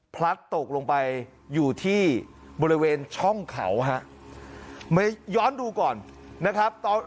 พลัดตกลงไปอยู่ที่บริเวณช่องเขาฮะมาย้อนดูก่อนนะครับตอน